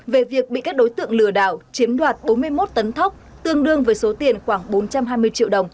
về việc bị các đối tượng lừa đảo chiếm đoạt bốn mươi một tấn thóc tương đương với số tiền khoảng bốn trăm hai mươi triệu đồng